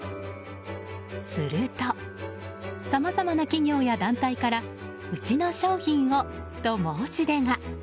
するとさまざまな企業や団体からうちの商品を、と申し出が。